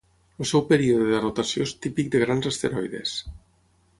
El seu període de rotació és típic de grans asteroides.